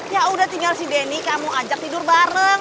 ya udah tinggal si denny kamu ajak tidur bareng